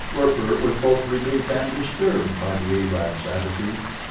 Werper was both relieved and disturbed by the Arab's attitude.